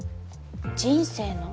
人生の？